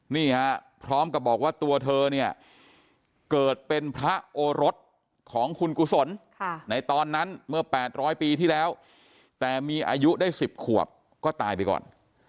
นี่ฮะพร้อมกับบอกว่าตัวเธอเนี่ยเกิดเป็นพระโอรสของคุณกุศลในตอนนั้นเมื่อ๘๐๐ปีที่แล้วแต่มีอายุได้๑๐ขวบก็ตายไปก่อน